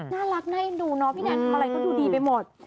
น่ารักน่ะดูเนาะพี่แดนอะไรก็ดูดีไปหมด